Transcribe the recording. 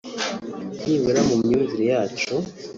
nibura mu myumvire yacu